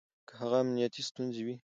که هغه امنيتي ستونزې وي